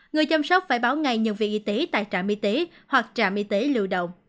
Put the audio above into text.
người chăm sóc phải báo ngay nhân viên y tế tại trạm y tế hoặc trạm y tế lưu động